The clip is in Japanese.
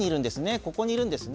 ここにいるんですね。